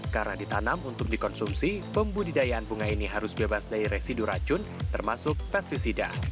karena ditanam untuk dikonsumsi pembudidayaan bunga ini harus bebas dari residu racun termasuk pesticida